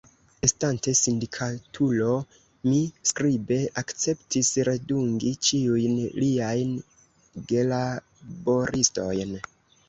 Estante sindikatulo, mi skribe akceptis redungi ĉiujn liajn gelaboristojn.